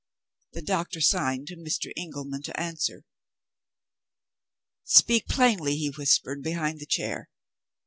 The doctor signed to Mr. Engelman to answer. 'Speak plainly,' he whispered, behind the chair. Mr.